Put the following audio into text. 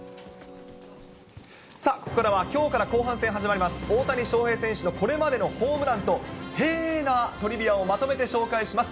ここからはきょうから後半戦始まります、大谷翔平選手のこれまでのホームランとへぇなトリビアをまとめて紹介します。